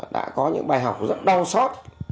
đã có những bài học rất đau xót